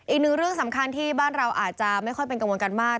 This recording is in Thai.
อีกหนึ่งเรื่องสำคัญที่บ้านเราอาจจะไม่ค่อยเป็นกังวลกันมาก